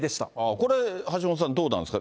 これ、橋下さん、どうなんですか？